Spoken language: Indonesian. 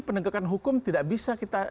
penegakan hukum tidak bisa kita